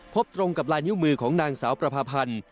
ตรงกับลายนิ้วมือของนางสาวประพาพันธ์